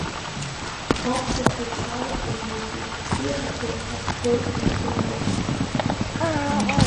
Ҳаԥхьахьеит ҳалахь ианугьы, иҳаҭәоу ҳазхоит Анцәаиныс.